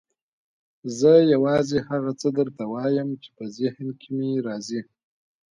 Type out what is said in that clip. زه یوازې هغه څه درته وایم چې په ذهن کې مې راځي.